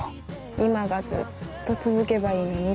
今がずっと続けばいいのに。